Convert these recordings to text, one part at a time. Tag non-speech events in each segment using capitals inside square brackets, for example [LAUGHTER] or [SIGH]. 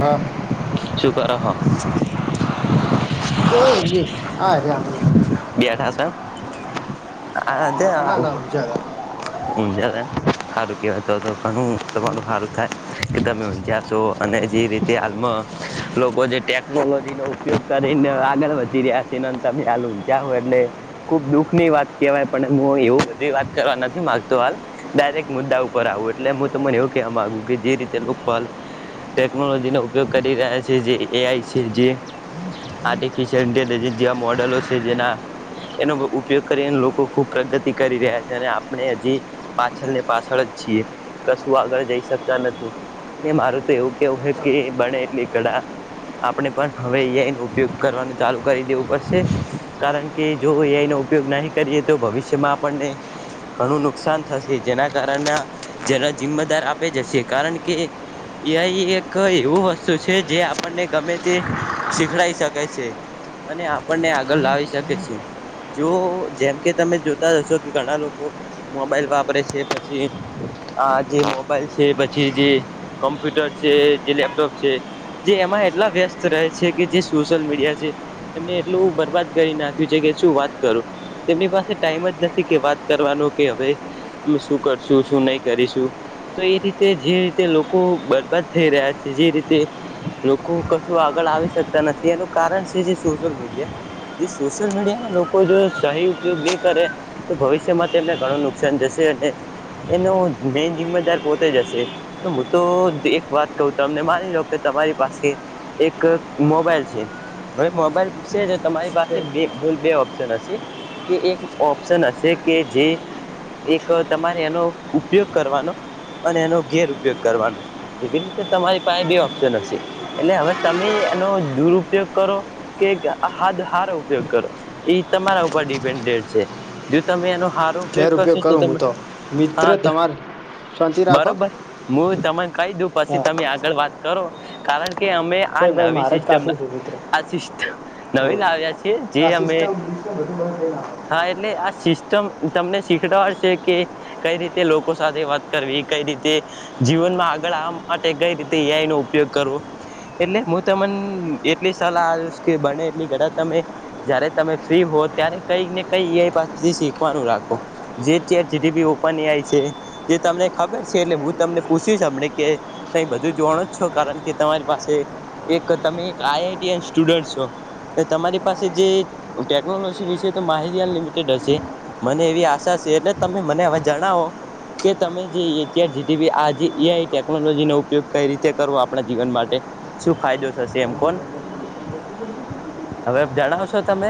હા- શૂ કરો હો- કોઈ નહીં આ રહ્યા બેઠા સે અત્યાર ના હાલ ના તો- જરા ઊંઝા ના હારું કેવાય તો તો ઘણું તમારું હારુ થાય- કે તમે ઊંજ્યા શો અને જે રીતે હાલમાં- લોકો જે ટેકનોલોજી નો ઉપયોગ કરીને આગળ વધી રહ્યા છે ને તમે હાલ હમજ્યા છો એટલે- ખુબ દુઃખ ની વાત કેવાય પણ હું એવું બધી વાત કરવા નથી. ગતો હાલ ડાયરેક મુદ્દા ઉપર આવું એટલે હું તમને એવું કવા માગુ કે જે રીતે લોકો હાલ- ટેકનોલોજીનો ઉપયોગ કરી રહ્યા છે જે એઆઈ છે. જે- આર્ટિફિશિયલ ઇન્ટેલિજન્સ જેવા મોડલો છે જેના- એનો ઉપયોગ કરીન લોકો ખુબ પ્રગતિ કરી રહ્યા છે અને આ- આપણે હજી પાછળ ને પાછળ જ છીએ કશું આગળ જઈ શકતા નથી- એ મારું તો એવું કેવું હે કે બને એટલી કળા- આપણે પણ હવે એનો ઉપયોગ કરવાનું ચાલુ કરી દેવું પડશે કારણ- કે જો કો એ આઈ નો ઉપયોગ નહીં કરીએ તો ભવિષ્યમાં આપણને- ઘણું નુકસાન થશે જેના કારણ ના જે જિમ્મેદાર આપે જશે કારણ કે- એ આઈ એક એવું વસ્તુ છે જે આપણને ગમે તે શીખડાઈ શકે છે. અને આપણને આગળ લાવી શકે છે. જો જેમ કે તમે જોતા જશો કે ઘણા લોકો- મોબાઈલ વાપરે છે પછી આ જે મોબાઈલ છે પછી જે- કોમ્પ્યુટર છે જે લેપટોપ છે. જે એમાં એટલા વ્યસ્ત રહે છે કે જે સોશિયલ મીડિયા છે- એમને એટલું બરબાદ કરી નાખ્યું છે કે શું વાત કરું- તેમની પાસે ટાઈમ જ નથી કે વાત કરવાનો- કે હવે અમે શું કરશું શું નહી કરીશું- તો એ રીતે જે રીતે લોકો બરબાદ થઈ રહ્યા છે. જે રીતે- લોકો કશું આગળ આવી શકતા નથી એનું કારણ શ છે. સોશિયલ મીડિયા- જે સોશિયલ મીડિયા ના લોકો જો સહી ઉપયોગ ન કરે તો ભવિષ્યમાં તેમને- ઘણું નુકસાન જશે અને એનો મેન જિમ્મેદાર પોતે જશે- તો હું તો એક વાત કઉ તમને માની લો કે તમારી પાસે- એક મોબાઈલ છે. હવે મોબાઈલ છે તમારી પાસે બે બૂલ બે ઓપ્શન હશે. કે એક ઓપ્શન હશે કે જે. એક તમારે એનો ઉપયોગ કરવાનો અને એનો ગેર ઉપયોગ કરવાનો. એવી રીતે તમારી પાસે બે ઓપ્શન હશે. એટલે હવે તમે એનો દુરપયોગ કરો કે હારો ઉપયોગ કરો. એ તમારા ઉપર ડિપેન્ડે છે જો તમે એનો સારો- પે ઘેર ઉપયોગ કરશો તો કરું હું તમે મિત્ર હા તો તમારે શાંતિ રાખો બરોબર- હું તમે કહી દઉ પછી હા તમે આગળ વાત કરો કારણ કે અમે- આ ભાઈ ભાઈ નવી મારે જ સિસ્ટમ કાઠું છે મિત્ર આ સિસ્ટમ નવી લાવ્યા છે જે અમે- વધધું બ- હા એટલે આ સિસ્ટમ- તમને શીખડવાડ છે કે કઈ રીતે લોકો સાથે વાત કરવી કઈ રીતે. જીવનમાં આગળ આ માટે કઈ રીતે એઆઈ નો ઉપયોગ કરવો. એટલે હું તમને એટલી સલાહ આપશ કે બને એટલી ઘા તમે. જયારે તમે ફ્રી હો ત્યારે કઈક ને કઈ પાસેથી શીખવાનું રાખો. જે ચ જીબી ઓપન એઆય છે. જે તમને ખબર છે એટલે હું તમને પૂછીશ અમને કે. ત બધું જોનું જ છો કારણ કે તમારી પાસે એક તમે એક આઈઆઈટી સ્ટુડન્ટ છો. તમારી પાસે જે ટેકનોલોજી વિશે તો માહિતી અનલિમિટેડ હશે. મને એવી આશા છે એટલે તમે મને હવે જણાવો. કે તમે જે અત્યાર જીતી આજ એ ટેકનોલોજી નો ઉપયોગ કઈ રીતે કરવો આપણા જીવન માટે. શું ફાયદો થશે એમ કો. હવે જણાવશો તમે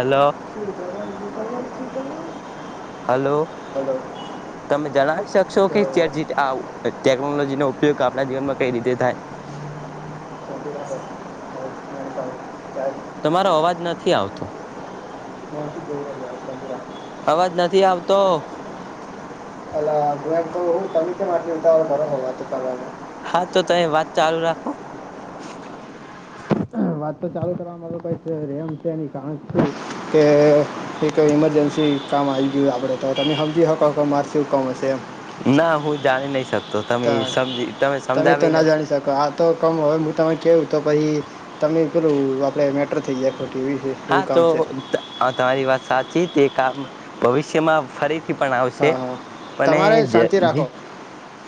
હલો. શીકક [UNINTELLIGIBLE] હાલો હલો તમે જણાવી શકશો કે આવ ટેકનોલોજી નો ઉપયોગ આપણા જીવનમાં કઈ રીતે થાય શાંતિ રાખો તમારો અવાજ નથી આવતો હ બ [UNINTELLIGIBLE] અવાજ નથી આવતો. કમ બરો હોવા તો કરવા. હા તો ત વાત ચાલુ રાખો. વાત તો ચાલુ કરવા. કઈ રેમ છે એની કારણ કે એક ઈમરજન્સી કામ આવી ગયું આપડે. તો તની હમજી હકો કઉ છે એમે. ના હું જાણી નહી શકતો તમે તાણ સમજી તમે તો સમજાવી ના નથી. જાણી આ તો કમ હોય હું તમે કહું તો પછી. તમે પેલું આપડે મેટર થઈ ગાયો ટીવી છે. એવું હા તો કામ છે તમારી વાત સાચી તે કામ ભવિષ્યમાં ફરી. થી પણ આવશે હા હા પણ તમારે શાંતિ રાખો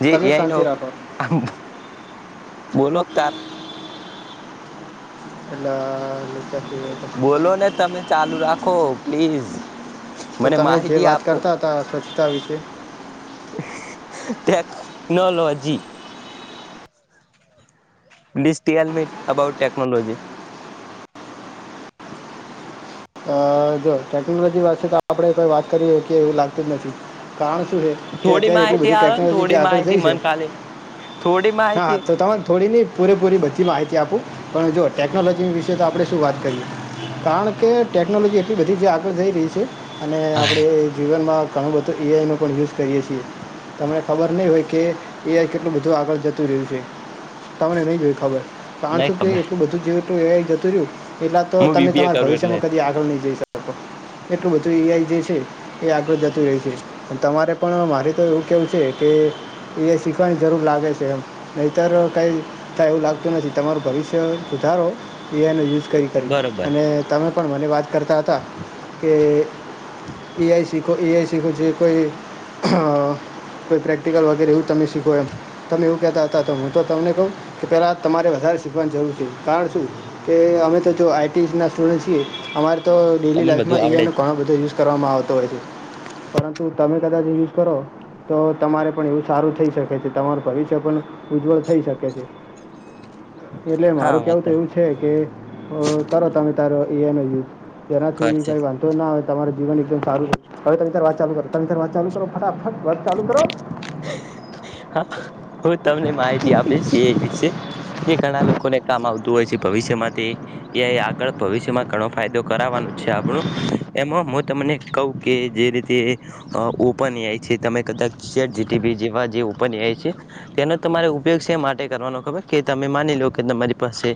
જે તમે એઆઈ નો શાંતિ રાખો ઉપયોગ. બોલોક તાર. એટલે. નીચેથી એ તો. બોલો ને તમે ચાલુ રાખો પ્લીઝ. તો મને તમે જે માહિતી વાત આપો કરતા હતા સ્વચ્છતા વિશે technology please tell me about technology અ જો ટેકનોલોજી પાસે તો આપણે કોઈ વાત કરી શકીએ એવું લાગતું જ નથી કારણ શું છે કે થોડી અત્યારે એટલી માહિતી બધી આવે ને ટેકનોલોજી થોડી આગળ માહિતી જઈ છે મન ખાલી થોડી હા માહિતી તો તરે થોડી પૂરેપૂરી બધી માહિતી આપું પણ જો ટેકનોલોજી વિશે તો આપણે શું વાત કરીએ કારણ કે ટેકનોલોજી એટલી બધી જ આગળ જઈ રહી છે અને આપણે જીવનમાં ઘણું બધું એઆઈમાં પણ યુઝ કરીએ છીએ તમને ખબર નહીં હોય કે એ કેટલું બધું આગળ જતું રહ્યું છે તમને નહી જોય ખબર નઈ ણસું કે ખબર એટલું બધું જીવતું એ જતું રહ્યું એટલા તો હું તમે બીબી એ તમારા કરું એટલે ભવિષ્યમાં કદી આગળ નહી જઈ શ એટલું બધું એ‌ આઈ જે છે એ આગળ જતું રહી છે તમારે પણ મારે તો એવું કેવું છે કે એ શીખવાની જરૂર લાગે છે એમ નહીતર કઈ થાય એવું લાગતું નથી તમારું ભવિષ્ય સુધારો એ એ આઇ નો યુઝ કરી કરી બરોબર અને તમે પણ મને વાત કરતા હતાં કે એ આઈ શીખો એ આઈ શીખવું જોઈએ કોઈ અ કોઈ પ્રેક્ટિકલ વગેરે એવું તમે શીખો એમ. તમે એવું કહેતા હતાં તો હું તો તમને કહું કે પેહલા તમારે વધારે શીખવાની જરૂર છે કારણ શું કે અમે તો જો આઈ ટીઝના સ્ટુડન્ટ છીએ અમારે તો ડેયલી તમને બધું લાઈફમાં એ આવડે આઈનો જ ઘણાો બધો યુઝ કરવામાં આવતો હોય છે પરંતુ તમે કદાચ યુઝ કરો. તો તમારે પણ એવું સારું થઈ શકે છે તમારું ભવિષ્ય પણ ઉજ્જવળ થઈ શકે છે. એટલે હા મારું વાત કેવું તો એવું છે કે કરો તમે તારે એ આઇનો યુઝ. એનાથી કરશે કંઈ વાં ધો ના આવે તમારું જીવન એકદમ સારું રે હવે તમાર વાત ચાલુ કરો તમે વાત ચાલુ કરો ફટાફટ વાત ચાલુ કરો. હા. હું તમને માહિતી આપીશ એ આઈ વિશે કે ઘણા લોકોને કામ આવતું હોય છે ભવિષ્યમાં તે એ આઈ આગળ ભવિષ્યમાં ઘણો ફાયદો કરાવવાનું છે આપણું. એમાં મુ તમને કવ કે જે રીતે અ ઓપન એ આઈ છે તમે કદાચ ચેટ જી ટી બી જેવા જે ઓપન એ આઈ છે. તેનો તમારે ઉપયોગ શે માટે કરવાનો ખબર કે તમે માની લો કે તમારી પાસે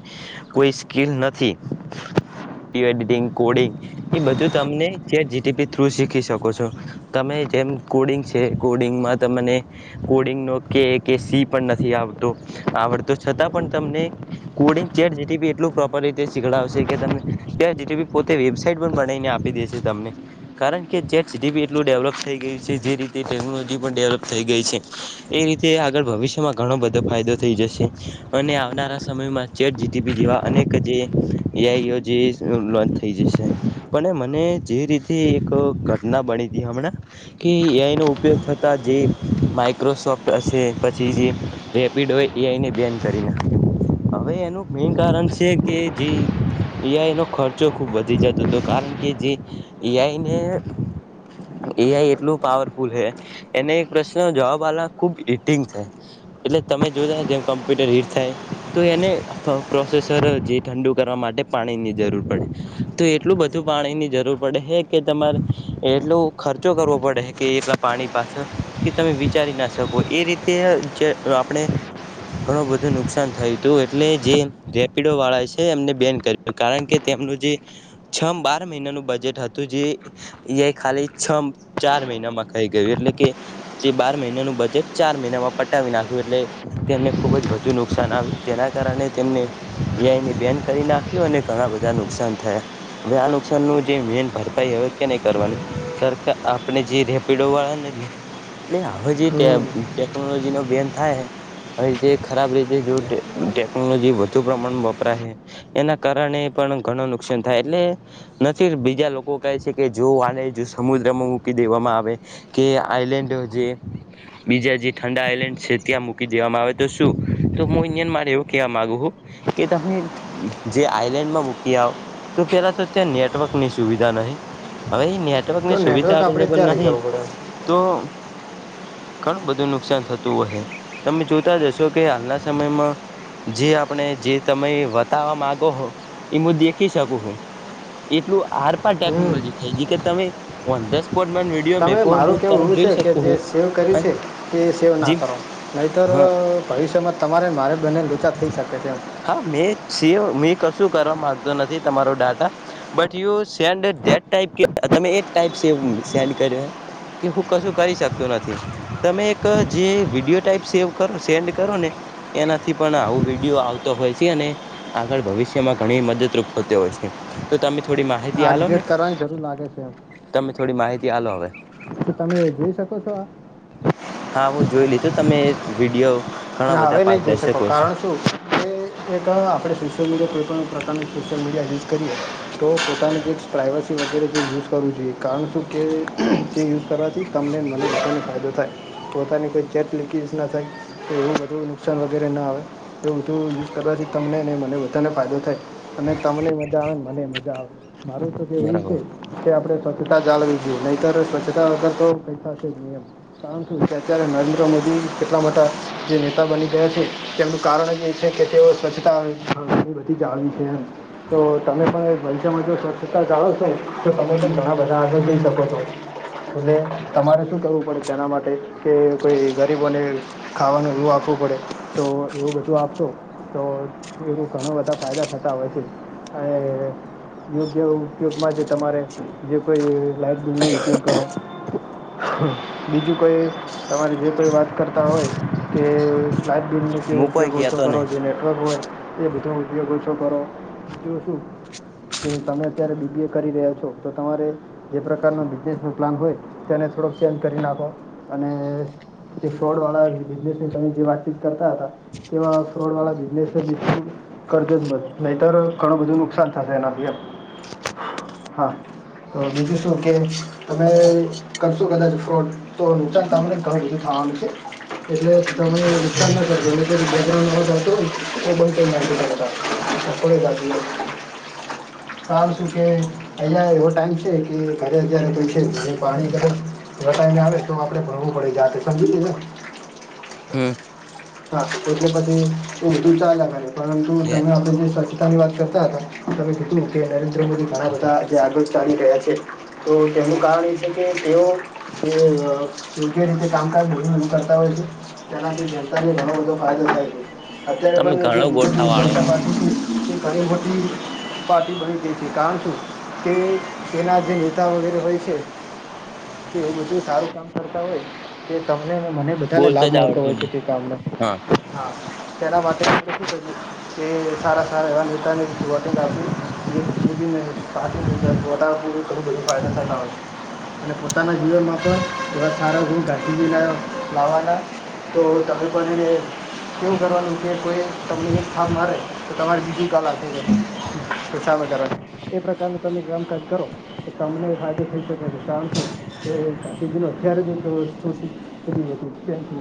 કોઈ સ્કીલ નથી એડિટંગ, કોડિંગ એ બધું તમને chat G T P through શીખી શકો છો. તમે જેમ કોડિંગ છે કોડિંગમાં તમને કોડિંગનો કે કે સી પણ નથી આવતો. આવડતો છતાં પણ તમને coding chat G T P એટલું પ્રોપર રીતે શીખડાવશે કે તમને ચેટ જી ટી પી પોતે વેબસાાઈટ પણ બનાઈને આપી દેશ. શે તમને કારણ કે ચેટ ટી પી એટલું ડેવલપ થઈ ગયું છે જે રીતે ટેકનોલોજી પણ ડેવલપ થઈ ગઈ છે. એ રીતે આગળ ભવિષ્યમાં ઘણો બધો ફાયદો થઈ જશે અને આવનારા સમયમાં ચેટ જી ટી પી જેવા અનેક જે એ આઈ ઓ જે લોન્ચ થઈ જશે. પણ મને જે રીતે એક ઘટના બણી તી હમણાં કે એ આઈ નો ઉપયોગ થતાં જે માઈક્રોસોફ્ટ હશે પછી જે રેપિડોએ એ આઈને બેન કરી નાખ્યું. હવે એનું મેઈન કારણ છે કે જે એ આઈનો ખર્ચો ખૂબ વધી જતો હતો કારણ કે જે એ આઈને એ આઈ એટલું પાવરફુલ હે એને એક પ્રશ્નનો જવાબ આલવાનો ખૂબ હિટિંગ થાય. એટલે તમે જોતાં જાવ જેમ કમ્પ્યુટર હીટ થાય. તો એને પ્રોસેસર જે ઠંડુ કરવા માટે પાણીની જરૂર પડે. તો એટલું બધું પાણીની જરૂર પડે હે કે તમારે એટલો ખર્ચો કરવો પડહે કે એ પાણી પાછળ કે તમે વિચારી ના શકો એ રીતે જે આપણે ઘણું બધું નુકસાન થયું તું એટલે જે રેપિડોવાળા છે એમણે બેન કરી કારણ કે તેમનું જે છ બાર મહિનાનું બજેટ હતું જે એ આઈ ખાલી છ ચાર મહિનામાં ખઈ ગયું એટલે કે જે બાર મહિનાનું બજેટ ચાર મહિનામાં પટાવી નાયખુ એટલે તેમને ખૂબ જ વધુ નુકસાન આવ્યું જેના કારણે તેમને એ આઈને બેન કરી નાખ્યું અને ઘણાં બધાં નુકસાન થયા. હવે આ નુકસાનનું જે મેન ભરપાઈ હવે કે નહીં કરવાની સરકાર આપણે જે રેપિડોવાળાને એટલે હવે જે ટે હમ ટેકનોલોજીનો બેન થાય હવે જે ખરાબ રીતે જો ટેક ટેકનોલોજી વધુ પ્રમાણમાં વપરાહે. એના કારણે પણ ઘણું નુકસાન થાય એટલે નથી બીજા લોકો કહે છે કે જો આને જો સમુદ્રમાં મૂકી દેવામાં આવે કે આઈલેન્ડ અ જે બીજા જે ઠંડા આઈલેન્ડ છે ત્યાં મૂકી દેવામાં આવે તો શું તો હું ઈન્ડિયન મારે એવું કહેવા માંગુુ હું કે તમે જે આઈલેન્ડમાં મૂકી આવ તો કેેલા તો ત્યાં નેટવર્કની સુવિધા નહિ હવે એ નેટવર્ક તો ની સુવિધા નેટવર્ક આપણે અવેલેબલ ત્યાં લઈ નહિ જવું પડે તો ઘણું બધું નુકસાન થતું હો તમે જોતા જશો કે હાલના સમયમાં જે આપણે જે તમે બતાવવા માગો હો એ હું દેખી શકું એટલું હર પણ હમ ટેકનોલોજી થયજી કે તમે ઓનધ સ્પોટ મને વિડીયો મેકો હો ને એ એવું છે કે જે સેવ કર્યું છે તે સેવ ના જેમ કરો નહીં તો ભવિષ્યમાં તમારે મારે બનેને લોચા થઈ શકે છે, એમ હા મેં છ મેં કશું કરવા મામાંગતો નથી તમારો data but you send that ટપ કે તમે એક ટાઈપ સ સેન્ડ કર્યો હૈ કે હું કશું કરી શકતો નથી તમે એક જે વિડીયો ટાઈપ સેવ કરો સેન્ડ કરો ને એનાથી પણ આવું વિડીયો આવતો હોય છે અને આગળ ભવિષ્યમાં ઘણી મદદરૂપ થતી હોય છે. તો તમે થોડી માહિતી આ આલો ને ડિલીટ કરવાની જરૂર લાગે છે તમે થોડી માહિતી આલો હવે. તો તમે જોઈ શકો છો આ. હા હું જોઈ લીધું તમે વિડીયો ઘણા ના બધા હવે નહીં જઈ શકો પારદર્શકો છે. કારણ શું કે એક આપણે સોશિયલ મીડિયા કોઈપણ પ્રકારનું સોશિયલ મીડિયા યુઝ કરીએ તો પોતાનું જે એક પ્રાઈવેશી વગેરે જે યુઝ કરવું જોઈએ કારણ શું કે જે યુઝ કરવાથી તમને મને લોકોને ફાયદો થાય. પોતાની કોઈ ચેટ લીકેજ ના થાય તો એવ બધું નુકસાન વગેરે ના આવે. એ ઊંધું યુઝ કરવાથી તમનેને મને બધાને ફાયદો થાય. અને તમને મજા આવે મને મજા આવે મારું તો કેવીું છે બરાબર કે આપડે સ્વચ્છતા જાળવી જોઈએ નહીતર સ્વચ્છતા અગર તો પૈસા છે. કણ છું કે અત્યારે નરેન્દ્ર મોદી કેટલા મોટા જે નેતા બની ગયા છે. તેમનું કારણ એ છે કે તેઓ સ્વચ્છતા ઘ બધી જાળવી છે. તો તમે પણ વંશ્યમાં જો સ્વચ્છતા ચાલો છો તો તમે પણ ઘણા બધા આગળ જઈ શકો છો. એટલે તમારે શું કરવું પડે એના માટે કે કોઈ ગરીબોને ખાવાનું એવું આપવું પડે તો એવું બધું આપશો તો એનું ઘણા બધા ફાયદા થતા હોય છે અને યોગ્ય ઉપયોગમાં જે તમારે જે કોઈ લાઇટ બિલનો ઉપયોગ કરો બીજું કોઈ તમારે જે કોઈ વાત કરતા હોય કે લાઇટ બિલનું હું કોઈ ઉપયોગ ઓછો કહેતો કરો નહી જે નેટવર્ક હોય એ બધો હ ઉપયોગ છો કરો જો શું કે તમે અત્યારે બીબી એ કરી રહ્યા છો તો તમારે જે પ્રકારનો દેશનો પ્લાન હોય તેને થોડોક ચેન્જ કરી નાખો અને જે ફ્રોડ વાળા બિઝનેસ ની તમે જે વાતચીત કરતા હતા કેવા ફ્રોડવાળલા બિઝનેસ જ દ કરજે જ નહીતર ઘણું બધું નુકસાન થશે એના ભી હા તો બીજું શું કે તમે કરશો કદાચ ફ્રોડ તો નીચ તમને ક બધું થામ છે. એટલે તમે વિચાર ના કરજો એઉન્ જતો હો ને એ બલતો થોડી ગ ચાલું કે પહલા એવો ટાઈમ છે, કે ઘરે અત્યારે પાણીર થો આવે તો આપડે ભણવું પડે જા સમજી ને હમ્મ હા એટલે પછી ઉર્દુ ચાાલ પરંતુ તમે આપ જે સ્વચ્છતા ની વાત કરતા હતા. તમે જોયું ને કે નરેન્દ્ર મોદી ઘણા બધા જે આગળ ચાલી રહ્યા છે. તો તેનું કારણ એ છે, કે તેઓ તે યોગ્ય રીતે કામકાજું કરતા હોય છે, તેનાથી ો થાય તમે ઘણો ગોઠા વાળો રાખો ઘબતી પાર્ટી બની ગઈ છે કારણ શ કે તેના જે નેતા વગેરે હોય છે તો એવું બધું સારું કામ કરતા હોય તે કામને મને બધાને બોલતો લાભ જ મળતો આવડતું હોય છે નહી તે કામમાં હા હા તેના માતની થી તે સારા સારા નેતાની વાટંગ કા છોટા પૂર કરું બધી ફાયદા થ આવે છે અને પોતાના જીવનમાં પણ એ સારા હું ગતી લાવવાના તો તકરીબન એને કેવું કરવાનું કે કોઈ તમને એક થાપ મારે તો તમારે બીજું કાલખું હોય તો સામે કરવાનું એ પ્રકારનું તમે કામકાજ કરો તો [INAUDIBLE] એ તેજ અત્યારે જે છોટી કરી હતી પેન્સિલ